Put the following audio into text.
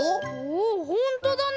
おっほんとだね！